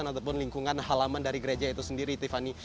dan juga terkait dengan lingkungan halaman dari gereja itu sendiri tiffany